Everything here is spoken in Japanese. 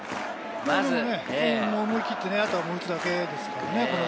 思い切ってあとは打つだけですからね。